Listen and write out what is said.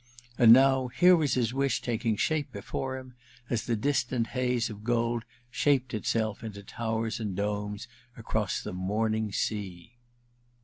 And now here was his wish taking shape before him, as the distant haze of gold shaped itself into towers and domes across the morning sea!